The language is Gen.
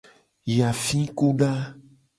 Yi afikuda.